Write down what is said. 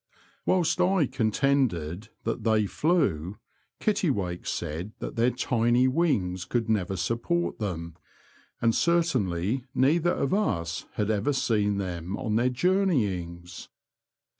Whilst I contended that they flew, Kittiwake said that their tiny wings could never support them, and certainly neither of us had ever seen them on their journeyings.